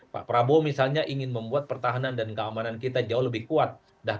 pak prabowo misalnya ingin membuat pertahanan dan keamanan kita jauh lebih kuat